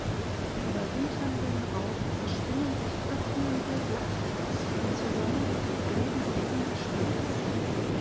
Die überwinternden Raupen spinnen sich öffnende Blattknospen zusammen und leben in diesem Gespinst.